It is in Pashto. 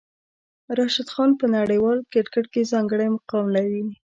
راشد خان په نړیوال کرکټ کې ځانګړی مقام لري.